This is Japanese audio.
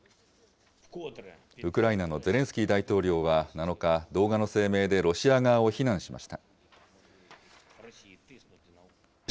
ウクライナのゼレンスキー大統領は７日、動画の声明でロシア側を非難しました。